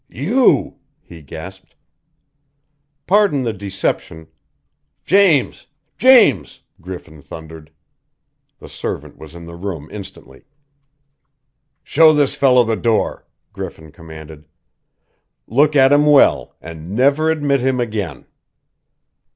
"You!" he gasped. "Pardon the deception " "James! James!" Griffin thundered. The servant was in the room instantly. "Show this fellow the door!" Griffin commanded. "Look at him well, and never admit him again!"